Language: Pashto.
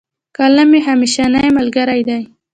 قلم مي همېشنی ملګری دی.